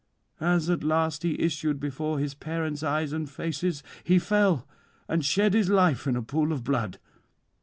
As at last he issued before his parents' eyes and faces, he fell, and shed his life in a pool of blood.